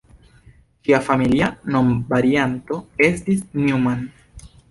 Ŝia familia nomvarianto estis "Neumann".